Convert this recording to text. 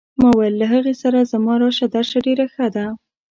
ما وویل له هغې سره زما راشه درشه ډېره ښه ده.